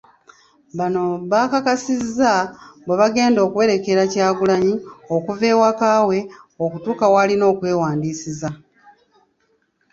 Bano baakakasizza bwe bagenda okuwerekera Kyagulanyi okuva ewaka we okutuuka w'alina okwewandiisiza